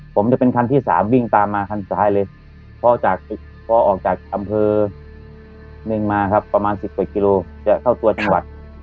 ผมจะเป็นคันที่๓วิ่งตามมาคันซ้ายเลยพอออกจากอำเภอหนึ่งมาครับประมาณ๑๐กว่ากิโลจะเข้าตัวจังหวัด